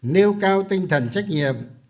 nêu cao tinh thần trách nhiệm